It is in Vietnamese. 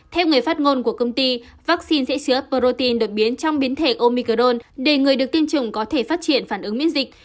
theo người phát ngôn của công ty vaccine sẽ chứa protein được biến trong biến thể omicrone để người được tiêm chủng có thể phát triển phản ứng miễn dịch